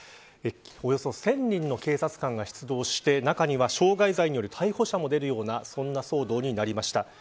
およそ１０００人の警察官が出動して中には傷害罪による逮捕者も出るようなそんな騒動になりました。